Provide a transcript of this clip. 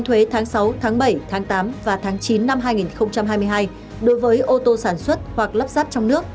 thuế tháng sáu tháng bảy tháng tám và tháng chín năm hai nghìn hai mươi hai đối với ô tô sản xuất hoặc lắp ráp trong nước